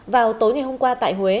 vào tối ngày hôm qua tại huế